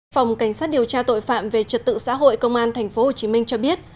phòng cảnh sát điều tra tội phạm về trật tự xã hội công an tp hcm cho biết